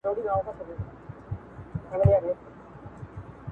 • هغه زه یم چي بلېږم له پتنګ سره پیمان یم -